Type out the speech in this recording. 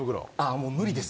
もう無理です